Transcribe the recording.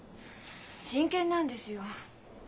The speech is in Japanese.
真剣なんですよ。